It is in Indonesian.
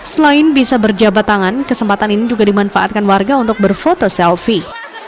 selain bisa berjabat tangan kesempatan ini juga dimanfaatkan warga untuk berfoto selfie